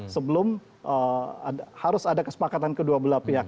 sebelum harus ada kesepakatan kedua belah pihak